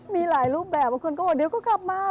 มีหลายรูปแบบบางคนก็บอกเดี๋ยวก็กลับมา